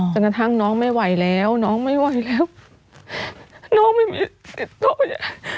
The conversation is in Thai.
กระทั่งน้องไม่ไหวแล้วน้องไม่ไหวแล้วน้องไม่มีติดโต๊ะเลย